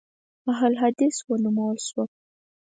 اهل حدیث ونومول شوه.